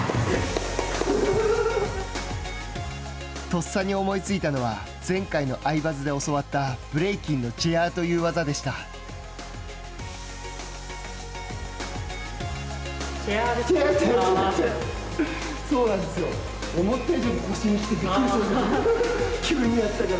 とっさに思いついたのは、前回の「アイバズ」で教わったブレイキンのチェアーという技でしチェアーですか。